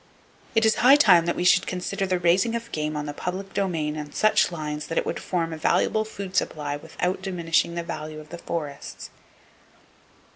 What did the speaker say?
it is high time that we should consider the raising of game on the public domain on such lines that it would form a valuable food supply without diminishing the value of the forests.